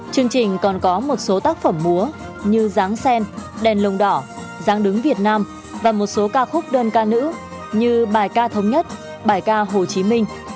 chương trình còn có một số tác phẩm múa như dáng sen đèn lồng đỏ giáng đứng việt nam và một số ca khúc đơn ca nữ như bài ca thống nhất bài ca hồ chí minh